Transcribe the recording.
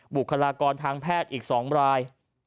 บุคลากรทางแพทย์อีก๒ราย